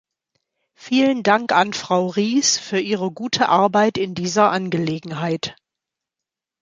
Vielen Dank an Frau Ries für ihre gute Arbeit in dieser Angelegenheit.